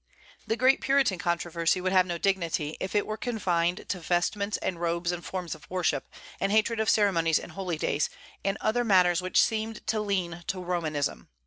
The great Puritan controversy would have no dignity if it were confined to vestments and robes and forms of worship, and hatred of ceremonies and holy days, and other matters which seemed to lean to Romanism.